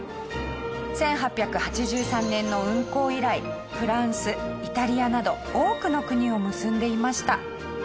１８８３年の運行以来フランスイタリアなど多くの国を結んでいました。